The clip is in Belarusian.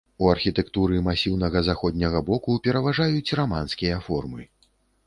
У архітэктуры масіўнага заходняга боку пераважаюць раманскія формы.